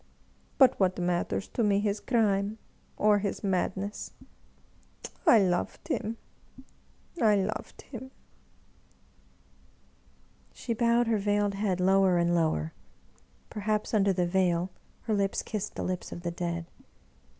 But what matters to me his crime or his madness ? I loved him, I loved him !" She bowed her veiled head lower and lower; perhaps tinder the veil her lips kissed the lips of the dead.